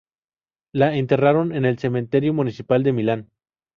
Lo enterraron en el Cementerio Municipal de Milán.